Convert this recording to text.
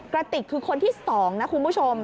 กระติกคือคนที่๒นะคุณผู้ชม